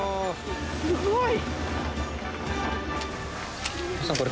すごい！